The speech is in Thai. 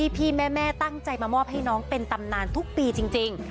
แม่ตั้งใจมามอบให้น้องเป็นตำนานทุกปีจริง